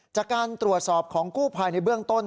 จากการตรวจสอบของกู้ภัยในเบื้องต้น